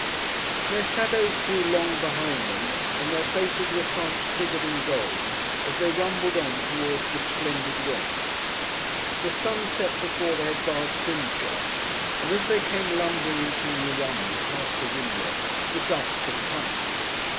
Their shadows grew long behind them and their faces were transfigured in gold as they rumbled on towards the splendid West. The sun set before they had passed Dymchurch, and as they came lumbering into New Romney past the windmill the dusk had come.